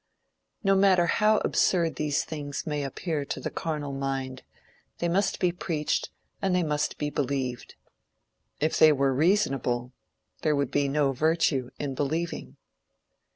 No matter how absurd these things may appear to the carnal mind, they must be preached and they must be believed. If they were reasonable, there would be no virtue in believing.